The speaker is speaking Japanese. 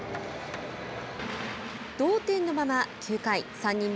同点のまま９回３人目